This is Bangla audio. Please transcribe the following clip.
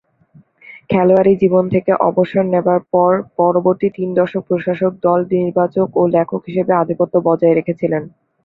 খেলোয়াড়ী জীবন থেকে অবসর নেবার পর পরবর্তী তিন দশক প্রশাসক, দল নির্বাচক ও লেখক হিসেবে আধিপত্য বজায় রেখেছিলেন।